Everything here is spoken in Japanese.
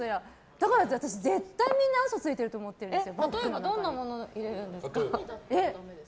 だから、私絶対みんな嘘ついてると思ってるんです。